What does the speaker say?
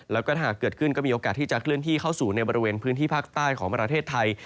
แล้วก็ถ้าหากเกิดขึ้นก็มีโอกาสที่จะเคลื่อนที่เข้าสู่ในบริเวณพื้นที่ภาคใต้ของประเทศไทย